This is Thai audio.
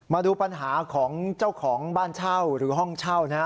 มาดูปัญหาของเจ้าของบ้านเช่าหรือห้องเช่านะฮะ